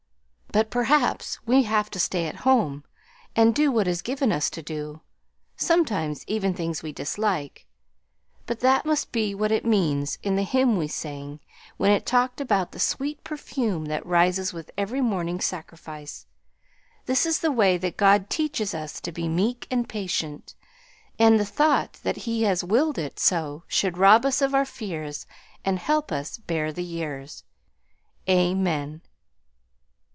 But perhaps we have to stay at home and do what is given us to do ... sometimes even things we dislike, ... but that must be what it means in the hymn we sang, when it talked about the sweet perfume that rises with every morning sacrifice.... This is the way that God teaches us to be meek and patient, and the thought that He has willed it so should rob us of our fears and help us bear the years. Amen."